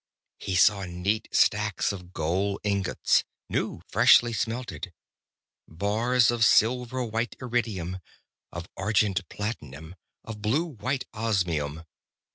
He saw neat stacks of gold ingots, new, freshly smelted; bars of silver white iridium, of argent platinum, of blue white osmium.